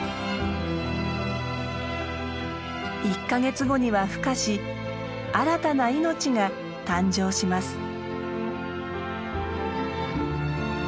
１か月後にはふ化し新たな命が誕生します。